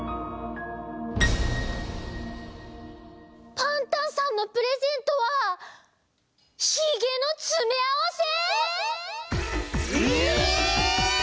パンタンさんのプレゼントはヒゲのつめあわせ！？え！